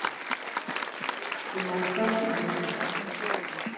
Yi las price na weti?